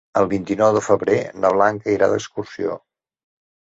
El vint-i-nou de febrer na Blanca irà d'excursió.